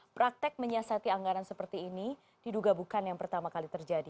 praktek menyiasati anggaran seperti ini diduga bukan yang pertama kali terjadi